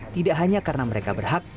tidak hanya karena mereka berhak